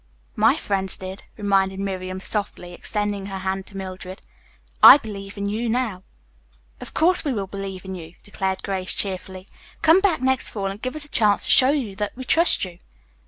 "My friends did," reminded Miriam softly, extending her hand to Mildred. "I believe in you now." "Of course we will believe in you," declared Grace cheerfully. "Come back next fall and give us a chance to show you that we trust you."